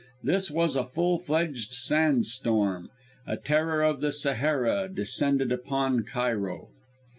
This was a full fledged sand storm, a terror of the Sahara descended upon Cairo.